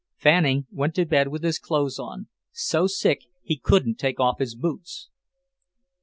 Fanning went to bed with his clothes on, so sick he couldn't take off his boots.